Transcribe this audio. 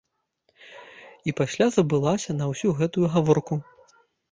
І пасля забылася на ўсю гэтую гаворку.